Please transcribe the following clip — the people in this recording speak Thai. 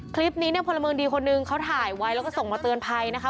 คลิปนี้เนี่ยพลเมืองดีคนนึงเขาถ่ายไว้แล้วก็ส่งมาเตือนภัยนะคะ